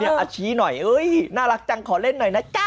อาชี้หน่อยน่ารักจังขอเล่นหน่อยนะจ๊ะ